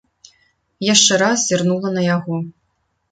Яшчэ раз зірнула на яго.